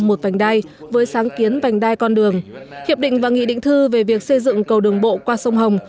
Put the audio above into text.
một vành đai với sáng kiến vành đai con đường hiệp định và nghị định thư về việc xây dựng cầu đường bộ qua sông hồng